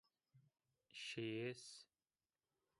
Şiyês